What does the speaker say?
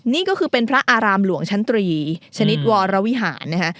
นี่ก็คือเป็นพระอารามหลวงชั้นตรีชนิดวรวิหารนะคะ